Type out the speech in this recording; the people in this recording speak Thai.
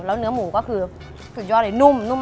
แล้วเนื้อหมูก็คือสุดยอดเลยนุ่มนุ่ม